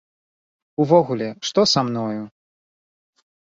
Увогуле, што са мною?